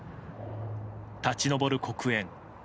立ち上る黒煙。